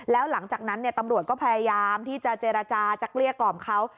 แล้วหลังจากนั้นตำรวจก็พยายามที่จะเจรจาจะเกลี้ยกล่อมเขา